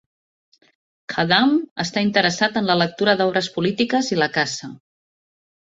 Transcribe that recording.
Khaddam està interessat en la lectura d'obres polítiques i la caça.